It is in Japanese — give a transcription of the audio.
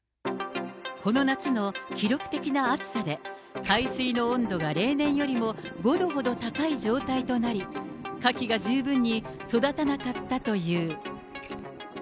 この夏の記録的な暑さで、海水の温度が例年よりも５度ほど高い状態となり、カキが十分に育たなかったという。